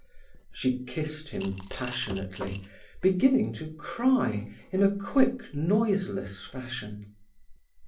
She kissed him passionately, beginning to cry in a quick, noiseless fashion.